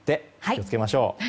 気を付けましょう。